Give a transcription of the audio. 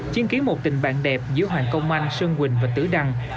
chiến ký một tình bạn đẹp giữa hoàng công anh sơn quỳnh và tử đăng